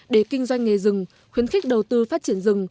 để kinh doanh nghề rừng khuyến khích đầu tư phát triển rừng